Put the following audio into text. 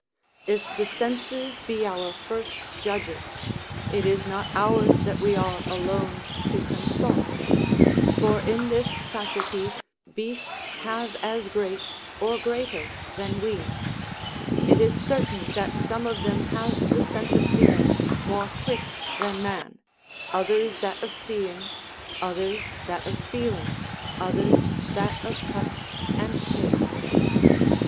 If the senses be our first judges, it is not ours that we are alone to consult; for, in this faculty, beasts have as great, or greater, than we; it is certain that some of them have the sense of hearing more quick than man; others that of seeing, others that of feeling, others that of touch and taste.